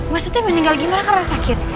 maksudnya meninggal gimana kalau sakit